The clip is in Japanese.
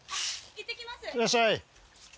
いってらっしゃい。